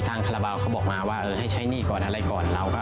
คาราบาลเขาบอกมาว่าเออให้ใช้หนี้ก่อนอะไรก่อนเราก็